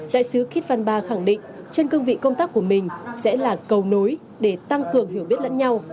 đại sứ kitvan ba khẳng định trên cương vị công tác của mình sẽ là cầu nối để tăng cường hiểu biết lẫn nhau